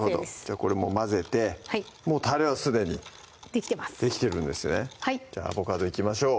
じゃあこれもう混ぜてもうたれはすでにできてますできてるんですねじゃあアボカドいきましょう